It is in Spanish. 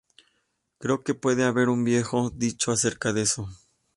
Creo que puede haber un viejo dicho acerca de eso"".